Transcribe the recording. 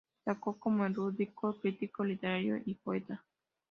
Destacó como erudito, crítico literario y poeta.